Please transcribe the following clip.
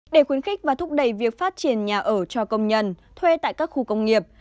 để khuyến khích và thúc đẩy việc phát triển nhà ở cho công nhân thuê tại các khu công nghiệp